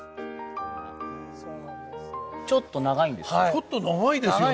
ちょっと長いですね。